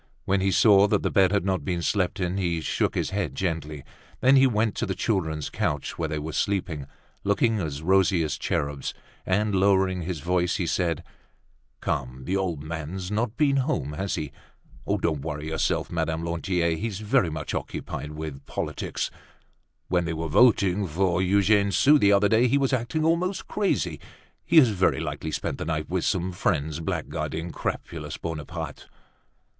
When he saw that the bed had not been slept in, he shook his head gently; then he went to the children's couch where they were sleeping, looking as rosy as cherubs, and, lowering his voice, he said, "Come, the old man's not been home, has he? Don't worry yourself, Madame Lantier. He's very much occupied with politics. When they were voting for Eugene Sue the other day, he was acting almost crazy. He has very likely spent the night with some friends blackguarding crapulous Bonaparte."